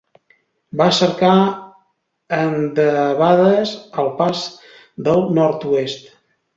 Va cercar endebades el Pas del Nord-oest.